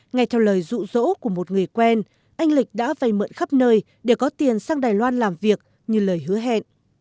ngay theo lời rụ rỗ của một người quen anh lịch đã vây mượn khắp nơi để có tiền sang đài loan làm việc như lời hứa hẹn